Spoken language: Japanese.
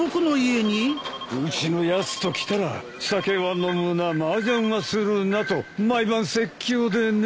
うちのやつときたら「酒は飲むなマージャンはするな」と毎晩説教でね。